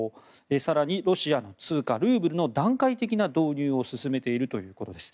更に、ロシアの通貨・ルーブルの段階的な導入を進めているということです。